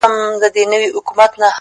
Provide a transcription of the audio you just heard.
• یو ځل بیا له خپل دښمنه په امان سو ,